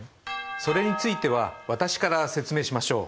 それについては私から説明しましょう。